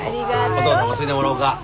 おとうさんもついでもらおうか。